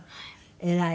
偉い！